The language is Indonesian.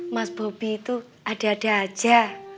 mas bobi itu ada ada aja